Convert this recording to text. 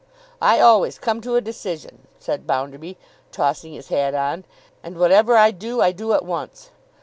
'I always come to a decision,' said Bounderby, tossing his hat on: 'and whatever I do, I do at once.